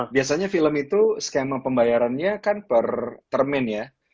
biasanya film itu skema pembayarannya kan per termen ya